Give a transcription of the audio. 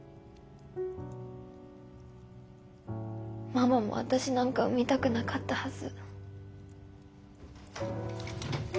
ママも私なんか産みたくなかったはず。